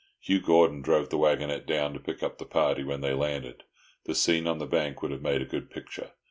Hugh Gordon drove the waggonette down to pick up the party when they landed. The scene on the bank would have made a good picture.